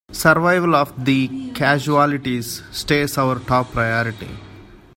Survival of the casualties stays our top priority!